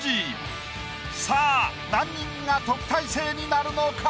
さあ何人が特待生になるのか？